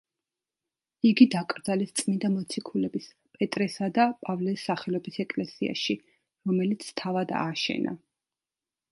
იგი დაკრძალეს წმინდა მოციქულების პეტრესა და პავლეს სახელობის ეკლესიაში, რომელიც თავად ააშენა.